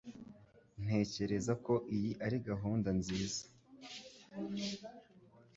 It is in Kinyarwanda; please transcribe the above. Ntekereza ko iyi ari gahunda nziza.